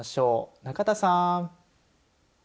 中田さん。